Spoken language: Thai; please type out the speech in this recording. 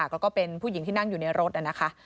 แล้วก็เป็นผู้หญิงที่นั่งอยู่ในรถนะคะ